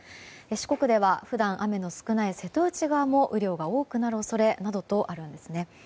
四国では普段、雨の少ない瀬戸内側も雨量が多くなる恐れなどとあるんですね。